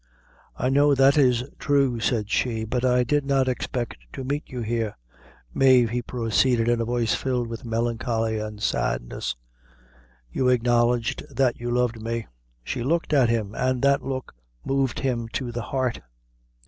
"I know that is true," said she; "but I did not expect to meet you here." "Mave," he proceeded, in a voice filled with melancholy and sadness, "you acknowledged that you loved me." She looked at him, and that look moved him to the heart.